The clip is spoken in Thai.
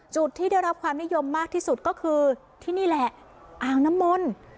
จุดที่ได้รับความนิยมมากที่สุดก็คือที่นี่แหละอ่างน้ำมนต์